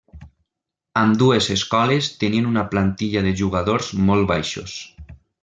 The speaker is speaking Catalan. Ambdues escoles tenien una plantilla de jugadors molt baixos.